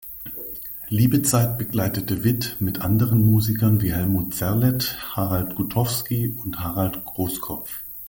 Liebezeit begleitete Witt mit anderen Musikern wie Helmut Zerlett, Harald Gutowski und Harald Grosskopf.